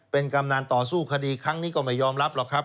เป็นกำนันต่อสู้คดีครั้งนี้ก็ไม่ยอมรับหรอกครับ